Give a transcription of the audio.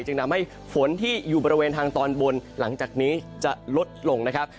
จึงทำให้ฝนที่อยู่บริเวณทางตอนบนหลังจากนี้จะลดลงนะครับ